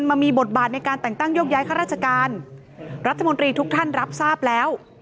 มามีบทบาทในการแต่งตั้งโยกย้ายข้าราชการรัฐมนตรีทุกท่านรับทราบแล้ว